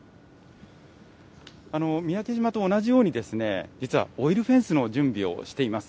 三宅島と同じように、実はオイルフェンスの準備をしています。